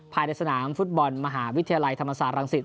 ภายในสนามฟุตบอลมหาวิทยาลัยธรรมศาสตรังสิต